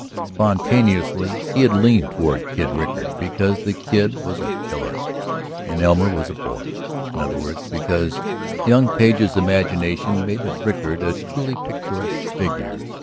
Spontaneously he had leaned toward Kid Rickard because the Kid was a "killer" and Elmer was a boy; in other words, because young Page's imagination made of Rickard a truly picturesque figure.